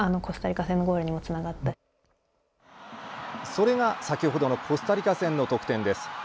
それが先程のコスタリカ戦の得点です。